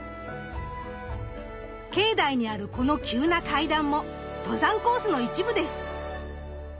境内にあるこの急な階段も登山コースの一部です。